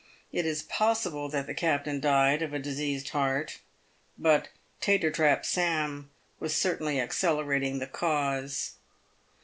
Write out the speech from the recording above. It is possible that the captain died of a diseased heart, but Tater trap Sam was certainly the accelerating cause.